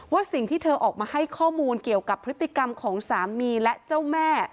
สิ่งที่เธอออกมาให้ข้อมูลเกี่ยวกับพฤติกรรมของสามีและเจ้าแม่